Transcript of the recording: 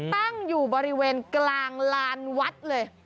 ตั้งอยู่บริเวณกลางลานวัดเลย